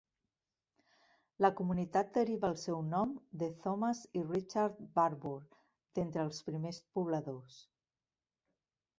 La comunitat deriva el seu nom de Thomas i Richard Barbour, d'entre els primers pobladors.